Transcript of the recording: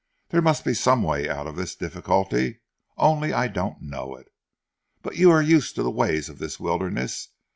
There must be some way out of this difficulty, only I don't know it. But you are used to the ways of this wilderness.